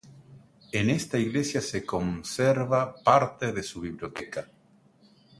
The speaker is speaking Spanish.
En esta iglesia se conserva parte de su biblioteca.